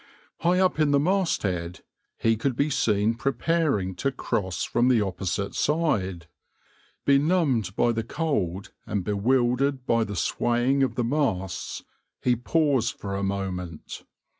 \par High up at the masthead he could be seen preparing to cross from the opposite side. Benumbed by the cold and bewildered by the swaying of the masts, he paused for a moment.